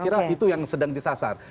ini yang disasar